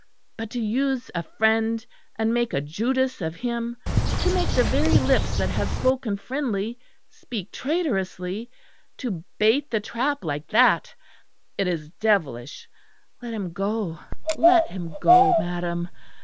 But to use a friend, and make a Judas of him; to make the very lips that have spoken friendly, speak traitorously; to bait the trap like that it is devilish. Let him go, let him go, madam!